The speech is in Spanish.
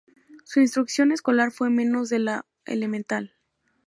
Su instrucción escolar fue menos de la elemental.